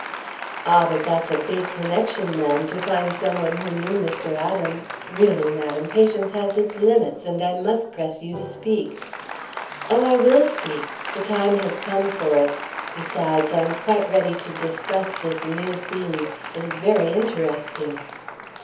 "Ah, but that's a big connection, ma'am. To find some one who knew Mr. Adams really, madam, patience has its limits, and I must press you to speak." "Oh, I will speak! The time has come for it. Besides, I'm quite ready to discuss this new theme; it is very interesting."